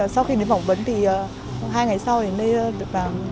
sau khi đến phỏng vấn thì hai ngày sau đến đây được làm